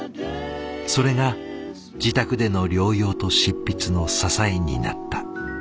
それが自宅での療養と執筆の支えになった。